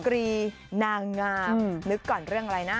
กรีนางงามนึกก่อนเรื่องอะไรนะ